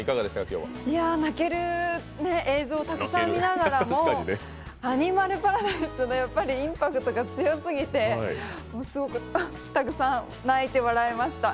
泣ける映像をたくさん見ながらもアニマルパラダイスもやっぱりインパクトが強すぎて、すごくたくさん泣いて笑えました。